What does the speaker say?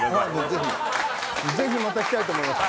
ぜひまた来たいと思います。